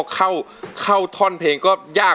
เข้าท่อนเพลงก็ยาก